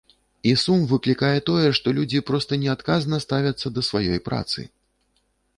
І сум выклікае тое, што людзі проста неадказна ставяцца да сваёй працы.